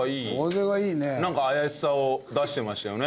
なんか怪しさを出してましたよね